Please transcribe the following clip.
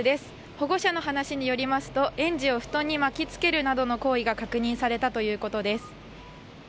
保護者の話によりますと園児を布団に巻き付けるなどの行為が確認されたということです。